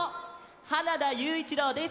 花田ゆういちろうです。